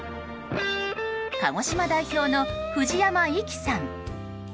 鹿児島代表の藤山粋さん。